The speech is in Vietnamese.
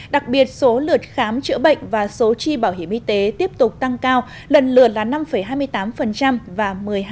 đặc biệt số lượt khám chữa bệnh và số tri bảo hiểm y tế tiếp tục tăng cao lần lượt là năm hai mươi tám và một mươi hai sáu mươi bốn